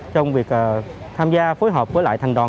trong việc tham gia phối hợp với thành đoàn